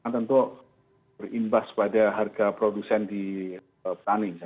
tentu berimbas pada harga produsen di petani